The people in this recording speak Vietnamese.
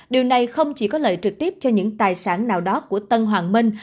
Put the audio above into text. điều này không chỉ có lợi trực tiếp cho những tài sản nào đó của tân hoàng minh